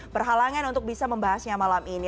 berhalangan untuk bisa membahasnya malam ini